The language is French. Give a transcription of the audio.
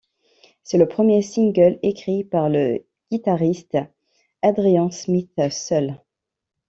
C’est le premier single écrit par le guitariste Adrian Smith seul.